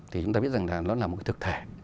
thì chúng ta biết rằng là nó là một cái thực thể